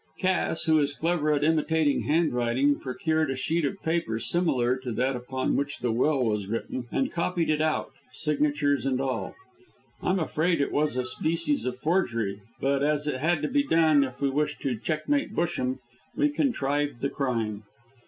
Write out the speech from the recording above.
Cass, who is clever at imitating handwriting, procured a sheet of paper similar, to that upon which the will was written, and copied it out, signatures and all. I am afraid it was a species of forgery, but as it had to be done if we wished to checkmate Busham, we contrived the crime.